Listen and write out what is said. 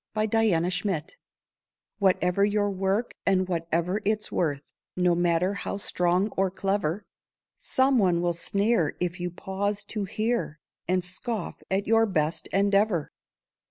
NEVER MIND Whatever your work and whatever its worth, No matter how strong or clever, Some one will sneer if you pause to hear, And scoff at your best endeavour.